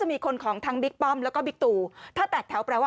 มีคนของทั้งบิ๊กป้อมแล้วก็บิ๊กตูถ้าแตกแถวแปลว่า